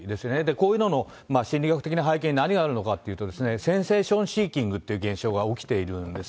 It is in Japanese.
こういうのの心理学的な背景に何があるのかっていうと、センセーションシンキングという現状が起きているんです。